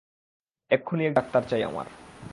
এক্ষুণি একজন ডাক্তার চাই আমার।